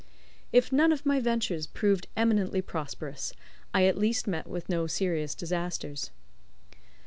If none of my ventures proved eminently prosperous, I at least met with no serious disasters.